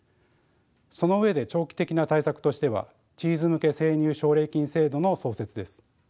その上で長期的な対策としてはチーズ向け生乳奨励金制度の創設です。